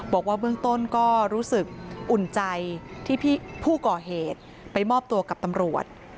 บอกว่าเบื้องต้นก็รู้สึกอุ่นใจที่ผู้ก่อเหตุไปมอบตัวกับตำรวจ